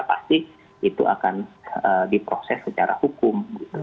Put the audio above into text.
pasti itu akan diproses secara hukum